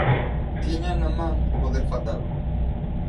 Tiñan na man poder facelo.